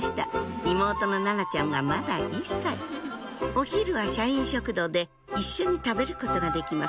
お昼は社員食堂で一緒に食べることができます